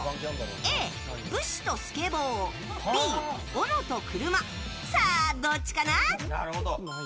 Ａ、武士とスケボーＢ、斧と車さあ、どっちかな？